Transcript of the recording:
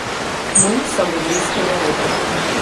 Мы самы блізкі народ.